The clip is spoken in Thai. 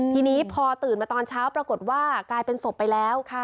ทีนี้พอตื่นมาตอนเช้าปรากฏว่ากลายเป็นศพไปแล้ว